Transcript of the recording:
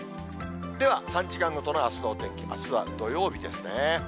では３時間ごとのあすのお天気、あすは土曜日ですね。